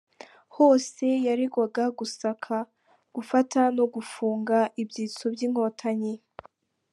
Hose yaregwaga gusaka, gufata no gufunga ibyitso by’inkotanyi.